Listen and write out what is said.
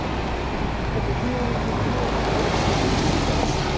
北京オリンピックの公式グッズ売り場です。